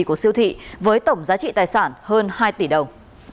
của siêu thị với tổng giá trị tài sản hơn hai tỷ đồng